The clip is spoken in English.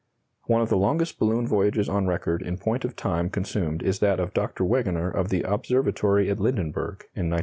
] One of the longest balloon voyages on record in point of time consumed is that of Dr. Wegener of the Observatory at Lindenberg, in 1905.